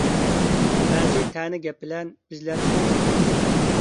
بەزى تەنە گەپ بىلەن، بىزلەرگىمۇ باتنايدۇ.